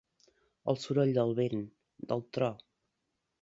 El soroll del vent, del tro.